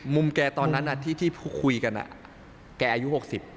มุมแกตอนนั้นที่พูดคุยกันแกอายุหกสิบ